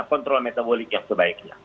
kontrol metabolik yang sebaiknya